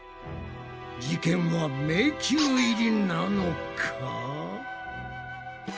事件は迷宮入りなのか？